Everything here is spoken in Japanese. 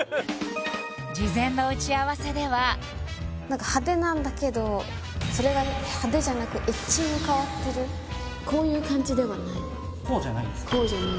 事前の打ち合わせではそれが派手じゃなくエッジに変わってるこういう感じではないこうじゃないんですか？